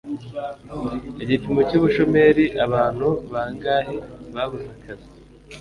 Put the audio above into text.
igipimo cy'ubushomeri abantu bangahe babuze akazi